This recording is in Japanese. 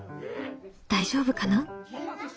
大丈夫かな？